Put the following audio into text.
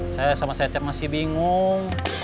saya sama cecep masih bingung